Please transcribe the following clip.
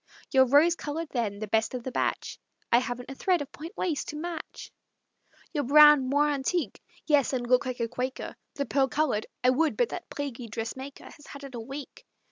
"Your rose colored, then, the best of the batch" "I haven't a thread of point lace to match." "Your brown moire antique" "Yes, and look like a Quaker." "The pearl colored" "I would, but that plaguy dressmaker Has had it a week."